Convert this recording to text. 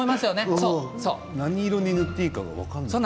何色に塗っていいか分からないです。